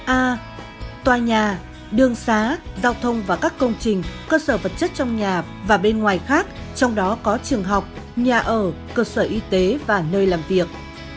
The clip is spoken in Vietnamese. a tòa nhà đường xá giao thông và các công trình cơ sở vật chất trong nhà và bên ngoài khác trong đó có trường học nhà ở cơ sở y tế và nơi làm việc